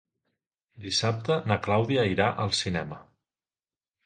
Dissabte na Clàudia irà al cinema.